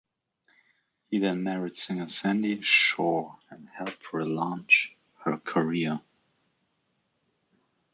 He then married singer Sandie Shaw and helped relaunch her career.